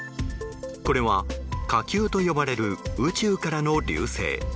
これは火球と呼ばれる宇宙からの流星。